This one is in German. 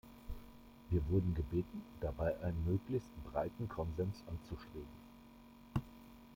Wir wurden gebeten, dabei einen möglichst breiten Konsens anzustreben.